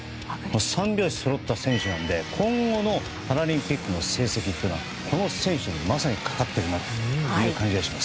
三拍子そろった選手なので今後のパラリンピックの成績はこの選手にかかっているなという感じがします。